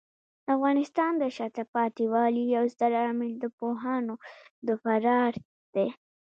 د افغانستان د شاته پاتې والي یو ستر عامل د پوهانو د فرار دی.